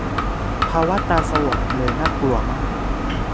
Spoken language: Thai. ภาวะ "ตาสว่าง" เลยน่ากลัวมาก